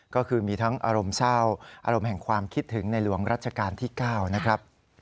ก็คือมีทั้งอารมณ์เศร้าอารมณ์แห่งความคิดถึงในหลวงรัชกาลที่๙นะครับ